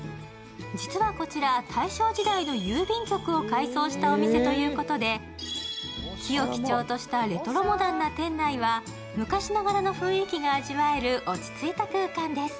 実はこちら、大正時代の郵便局を改装したお店ということで木を基調としたレトロモダンな店内は昔ながらの雰囲気が味わえる落ち着いた空間です。